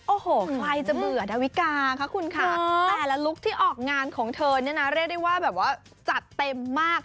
โอ้โหใครจะเบื่อดาวิกาคะคุณค่ะแต่ละลุคที่ออกงานของเธอเนี่ยนะเรียกได้ว่าแบบว่าจัดเต็มมาก